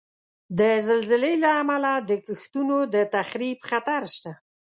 د زلزلې له امله د کښتونو د تخریب خطر شته.